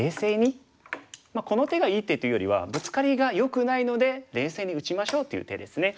この手がいい手というよりはブツカリがよくないので冷静に打ちましょうという手ですね。